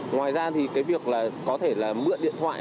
ngoài ra việc có thể mượn điện thoại